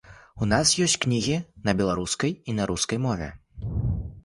У нас ёсць кнігі і на беларускай, і на рускай мове.